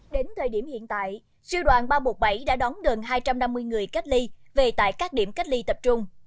đến thời điểm hiện tại siêu đoàn ba trăm một mươi bảy đã đón gần hai trăm năm mươi người cách ly về tại các điểm cách ly tập trung